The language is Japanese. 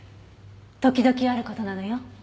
時々ある事なのよ。